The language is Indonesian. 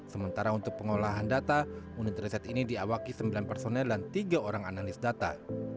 sementara untuk pengolahan data unit riset ini diawaki sembilan personel dan tiga orang analis data